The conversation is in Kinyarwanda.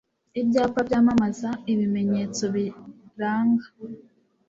ibyapa byamamaza ibimenyetso biranga